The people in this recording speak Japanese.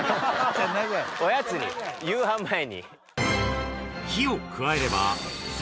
おやつに夕飯前に。